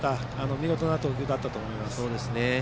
見事な投球だったと思います。